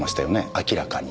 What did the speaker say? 明らかに。